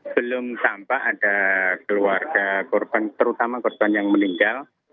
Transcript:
belum tampak ada keluarga korban terutama korban yang meninggal